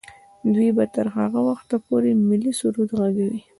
دوی به تر هغه وخته پورې ملي سرود ږغوي.